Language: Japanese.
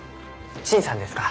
陳さんですか。